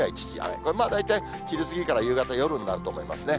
これ大体、昼過ぎから夜になると思いますね。